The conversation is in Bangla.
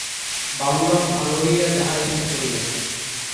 বাবুরাম ভাল হইয়া যাহা ইচ্ছা করিবেন।